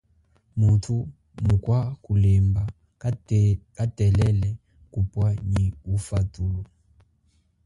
Muthu mukwa kulemba katelele kupwa nyi ufathulo.